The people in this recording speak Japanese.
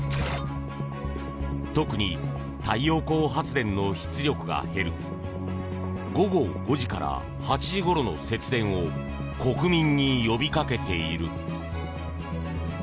特に太陽光発電の出力が減る午後５時から８時ごろの節電を国民に呼びかけている。